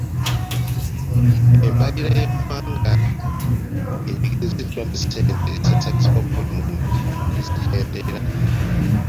Embalirira y'eggwanga enyigiriziddwa ne ssente ezisaasaanyizibwa ku buli muntu ne zikendeera.